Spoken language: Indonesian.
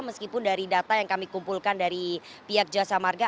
meskipun dari data yang kami kumpulkan dari pihak jasa marga